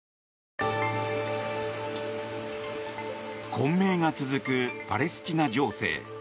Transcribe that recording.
混迷が続くパレスチナ情勢。